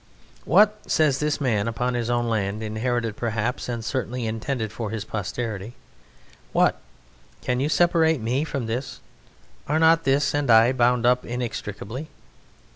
"What," says the man upon his own land, inherited perhaps and certainly intended for his posterity "what! Can you separate me from this? Are not this and I bound up inextricably?"